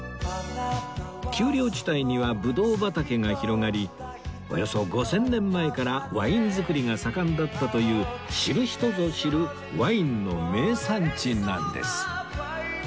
丘陵地帯にはブドウ畑が広がりおよそ５０００年前からワイン造りが盛んだったという知る人ぞ知るワインの名産地なんです